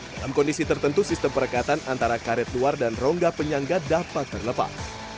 dalam kondisi tertentu sistem perekatan antara karet luar dan rongga penyangga dapat terlepas